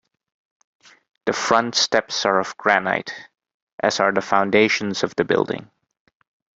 The front steps are of granite, as are the foundations of the building.